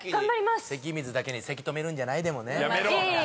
関水だけにせき止めるんじゃない？